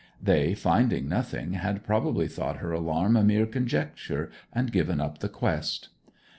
They, finding nothing, had probably thought her alarm a mere conjecture, and given up the quest.